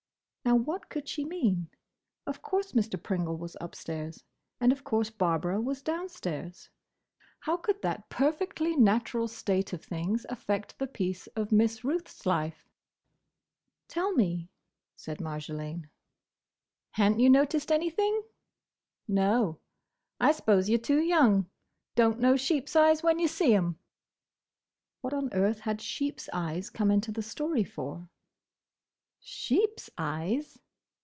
Now, what could she mean? Of course Mr. Pringle was upstairs, and of course Barbara was downstairs. How could that perfectly natural state of things affect the peace of Miss Ruth's life? "Tell me," said Marjolaine. "Ha' n't you noticed anything? No. I s'pose you 're too young. Don't know sheeps' eyes when you see 'em!" What on earth had sheeps' eyes come into the story for? "Sheeps' eyes?"